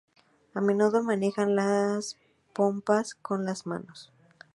A menudo manejan las pompas con las manos.